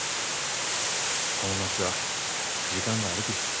この夏は時間があるき。